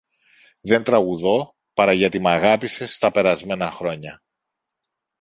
Δεν τραγουδώ παρά γιατί μ’ αγάπησες στα περασμένα χρόνια.